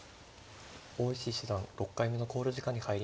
大石七段６回目の考慮時間に入りました。